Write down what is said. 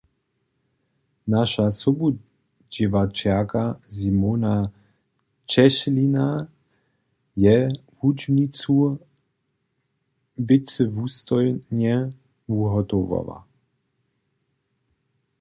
Naša sobudźěłaćerka Simona Ćěslina je wučbnicu wěcywustojnje wuhotowała.